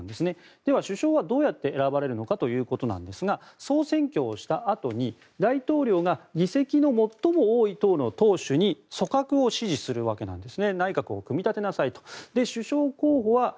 では、首相はどうやって選ばれるのかということですが総選挙をしたあとに大統領が議席の最も多い党の党首に組閣を指示するわけなんです。